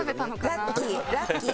ラッキーラッキー。